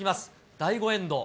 第５エンド。